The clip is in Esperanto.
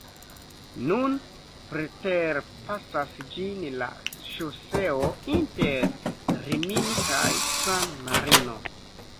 Nun preterpasas ĝin la ŝoseo inter Rimini kaj San-Marino.